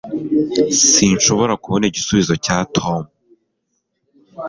sinshobora kubona igisubizo cya tom